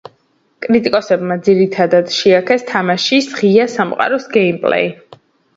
კრიტიკოსებმა ძირითად შეაქეს თამაშის ღია სამყაროს გეიმპლეი.